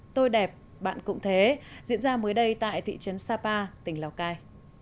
tôi đẹp bạn cũng thế diễn ra mới đây tại thị trấn sapa tỉnh lào cai